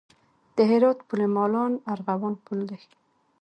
د هرات پل مالان ارغوان پل دی